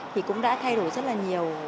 thì cũng đã thay đổi rất là nhiều